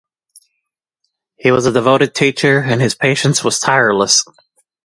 He was a devoted teacher, and his patience was tireless.